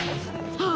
ああ！